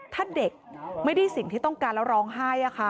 ถ้าเด็กไม่ได้สิ่งที่ต้องการแล้วร้องไห้